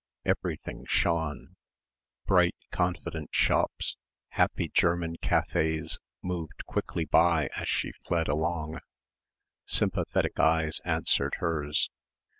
Everything shone. Bright confident shops, happy German cafés moved quickly by as she fled along. Sympathetic eyes answered hers.